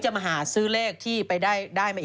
ปลาหมึกแท้เต่าทองอร่อยทั้งชนิดเส้นบดเต็มตัว